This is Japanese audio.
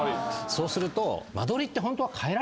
そうすると。